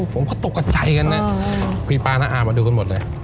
ผมก็ตกกับใจกันนะพี่ป้าน้าอามาดูกันหมดเลย